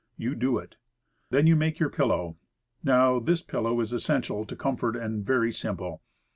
You do ft. Then you make your pillow. Now, this pillow is essential to comfort, and very simple.